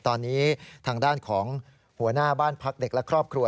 ตอนนี้ทางด้านของหัวหน้าบ้านพักเด็กและครอบครัว